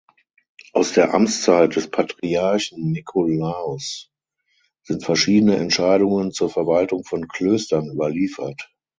Aus der Amtszeit des Patriarchen Nikolaos sind verschiedene Entscheidungen zur Verwaltung von Klöstern überliefert.